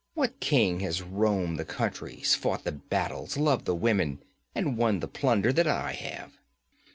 What king has roamed the countries, fought the battles, loved the women, and won the plunder that I have?